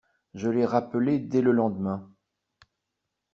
Je l’ai rappelée dès le lendemain.